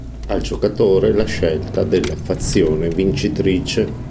Al giocatore la scelta della fazione vincitrice.